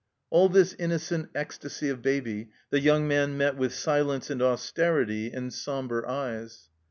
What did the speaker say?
All this innocent ecstasy of Baby the young man met with silence and austerity and somber eyes.